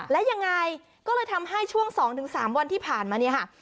และยังไงก็เลยทำให้ช่วง๒๓วันที่ผ่านมาเนี่ยค่ะ